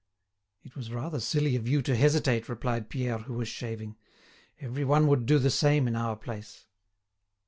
"It was rather silly of you to hesitate," replied Pierre, who was shaving. "Every one would do the same in our place."